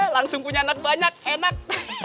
langsung punya anak banyak enak